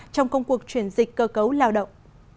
trong công cuộc chuyển dịch cơ cấu lao động